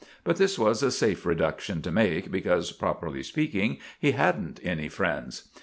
But this was a safe reduction to make, because, properly speaking, he hadn't any friends.